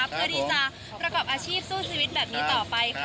เพื่อที่จะประกอบอาชีพสู้ชีวิตแบบนี้ต่อไปค่ะ